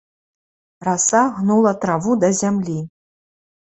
Раса гнула траву да зямлі.